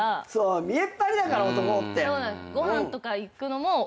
見えっ張りだから男って。